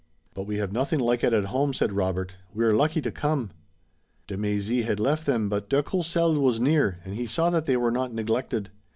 "But we have nothing like it at home," said Robert. "We're lucky to come." De Mézy had left them, but de Courcelles was near, and he saw that they were not neglected.